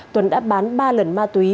tuấn đã bán ba lần ma túy